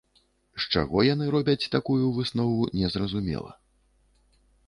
З чаго яны робяць такую выснову, незразумела.